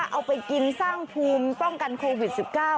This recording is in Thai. เอาไปกินสร้างภูมิป้องกันโควิด๑๙